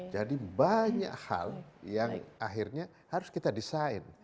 banyak hal yang akhirnya harus kita desain